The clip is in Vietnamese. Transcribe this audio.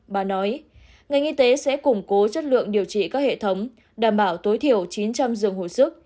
bà nói ngành y tế sẽ củng cố chất lượng điều trị các hệ thống đảm bảo tối thiểu chín trăm linh giường hồi sức